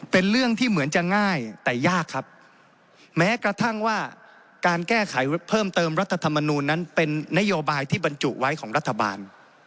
เป็นเรื่องที่เหมือนจะง่ายแต่ยากครับแม้กระทั่งว่าการแก้ไขเพิ่มเติมรัฐธรรมนูลนั้นเป็นนโยบายที่บรรจุไว้ของรัฐบาล